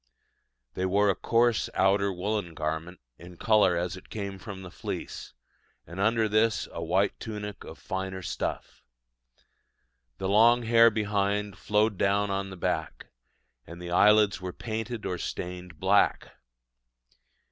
They wore a coarse outer woollen garment, in colour as it came from the fleece, and under this a white tunic of finer stuff. The long hair behind flowed down on the back: and the eyelids were painted or stained black.